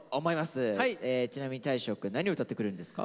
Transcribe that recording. ちなみに大昇くん何を歌ってくれるんですか？